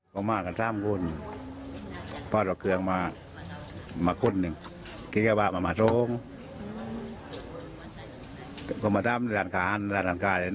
เจ้าคืนพ่อถอย่างที่เราอยู่